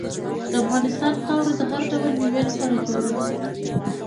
د افغانستان خاوره د هر ډول میوې لپاره جوړه ده.